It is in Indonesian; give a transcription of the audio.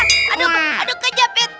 aduh aduh pak ustadz kejepit